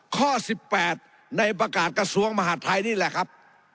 ข้อ๑๘ในประกาศกระทรวงมหาดไทยนี่แหละครับ